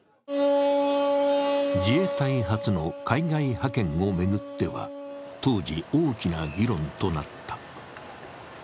自衛隊初の海外派遣を巡っては当時、大きな議論となった。